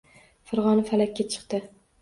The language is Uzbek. Fig‘oni falakka chiqdi.